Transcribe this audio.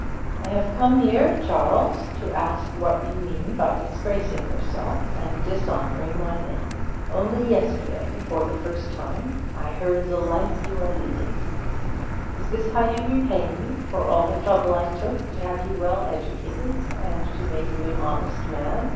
'I have come here, Charles, to ask what you mean by disgracing yourself and dishonouring my name. Only yesterday, for the first time, I heard of the life you are leading. Is this how you repay me for all the trouble I took to have you well educated, and to make you an honest man?